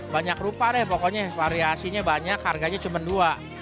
banyak rupa deh pokoknya variasinya banyak harganya cuma dua